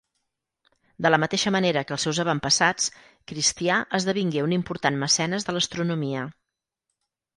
De la mateixa manera que els seus avantpassats, Cristià esdevingué un important mecenes de l'astronomia.